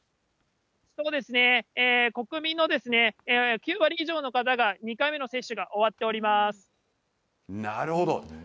そうですね、国民の９割以上の方が２回目の接種が終わっておなるほど。